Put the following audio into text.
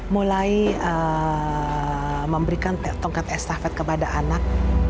mulai memberikan tongkat estafet kepada anak